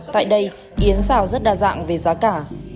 tại đây yến xào rất đa dạng về giá cả